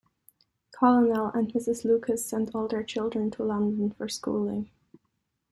Colonel and Mrs. Lucas sent all their children to London for schooling.